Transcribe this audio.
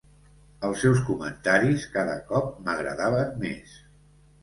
Els seus comentaris cada cop m'agradaven més.